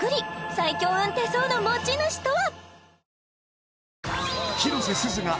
最強運手相の持ち主とは？